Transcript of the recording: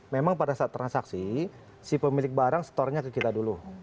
memang pada saat transaksi si pemilik barang store nya ke kita dulu